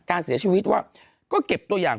การเสียชีวิตว่าก็เก็บตัวอย่าง